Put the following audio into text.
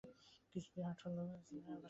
কিছুটা আঠালো, প্লাস্টিকের মতো।